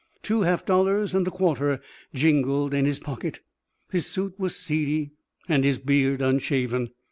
Two half dollars and a quarter jingled in his pocket. His suit was seedy and his beard unshaven.